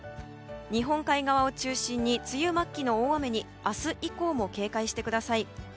日本海側を中心に梅雨末期の大雨に明日以降も警戒してください。